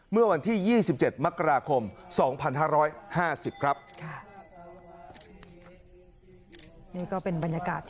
เมื่อวันที่๒๗มกราคม๒๕๕๐ครับ